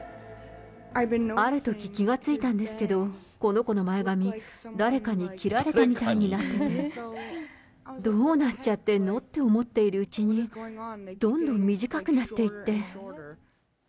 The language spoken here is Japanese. あるとき気が付いたんですけど、この子の前髪、誰かに切られたみたいになっていて、どうなっちゃってんの？って思っているうちに、どんどん短くなっていって。